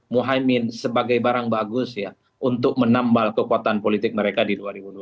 muhaymin sebagai barang bagus ya untuk menambal kekuatan politik mereka di dua ribu dua puluh